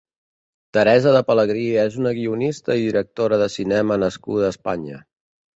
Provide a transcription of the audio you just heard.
Teresa de Pelegrí és una guionista i directora de cinema nascuda a Espanya.